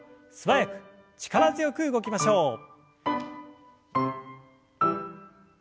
素早く力強く動きましょう。